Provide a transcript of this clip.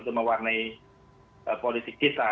untuk mewarnai politik kita